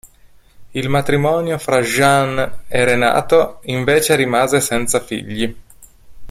Il matrimonio fra Jeanne e Renato invece rimase senza figli.